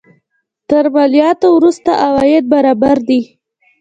تر مالیاتو وروسته عواید برابر دي.